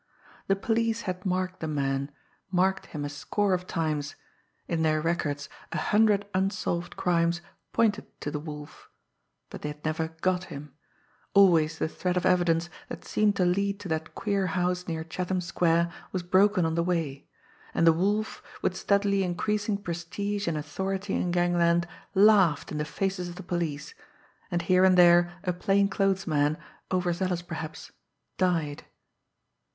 The police had marked the man, marked him a score of times; in their records a hundred unsolved crimes pointed to the Wolf but they had never "got" him always the thread of evidence that seemed to lead to that queer house near Chatham Square was broken on the way and the Wolf, with steadily increasing prestige and authority in gangland, laughed in the faces of the police, and here and there a plain clothes man, over zealous perhaps, died.